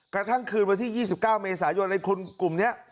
กระทั่งคืนวันที่๒๙เมษายนไอ้คนกลุ่มนี้